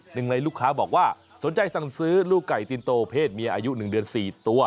หนึ่งในลูกค้าบอกว่าสนใจสั่งซื้อลูกไก่ตินโตเพศเมียอายุ๑เดือน๔ตัว